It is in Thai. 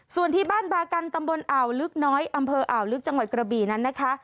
ส่วนที่บ้านบากันตำบลอ่าวลึกน้อยอำเภออ่าวลึกจังหวัดกระบี่นั้นนะคะ